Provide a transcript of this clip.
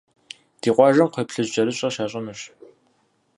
Ди къуажэм кхъуейплъыжькӏэрыщӏэ щащӏынущ.